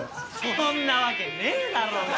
そんなわけねえだろうが。